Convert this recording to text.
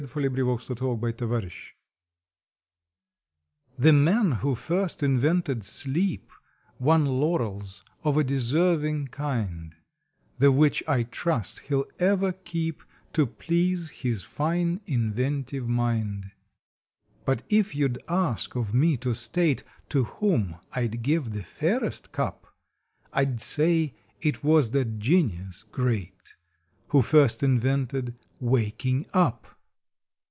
October Fifteenth THE REAL GENIUS HHHE man who first invented sleep Won laurels of a deserving kind, The which I trust he ll ever keep To please his fine inventive mind. But if you d ask of me to state To whom I d give the fairest cup I d say it was that genius great Who first invented WAKING UP!